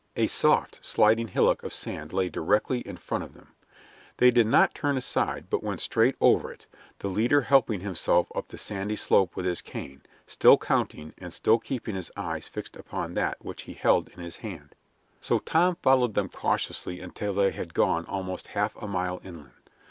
A soft, sliding hillock of sand lay directly in front of them. They did not turn aside, but went straight over it, the leader helping himself up the sandy slope with his cane, still counting and still keeping his eyes fixed upon that which he held in his hand. Then they disappeared again behind the white crest on the other side. So Tom followed them cautiously until they had gone almost half a mile inland.